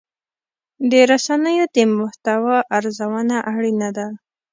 د رسنیو د محتوا ارزونه اړینه ده.